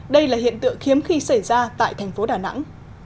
đây là hiện tượng khiếm khi xảy ra tại thành phố đà nẵng